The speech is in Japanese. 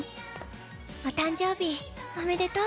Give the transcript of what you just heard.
お誕生日おめでとう。